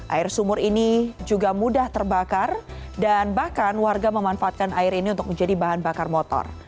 air sumur ini juga mudah terbakar dan bahkan warga memanfaatkan air ini untuk menjadi bahan bakar motor